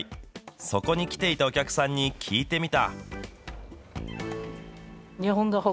そこに来ていたお客さんに、聞いてみた。